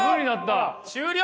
終了！